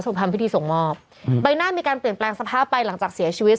ทำพิธีส่งมอบอืมใบหน้ามีการเปลี่ยนแปลงสภาพไปหลังจากเสียชีวิต